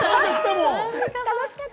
楽しかった。